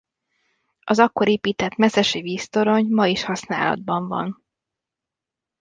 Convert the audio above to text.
Az akkor épített meszesi víztorony ma is használatban van.